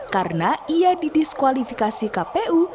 karena ia didiskualifikasi kpu